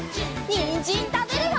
にんじんたべるよ！